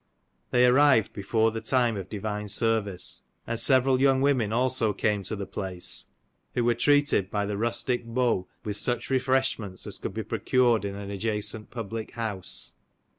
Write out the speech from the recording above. They arrived before the time of divine service, and several young women also came to the place, who were treated by the rustic beaux with such refreshments as could be procured in an adjacent public house.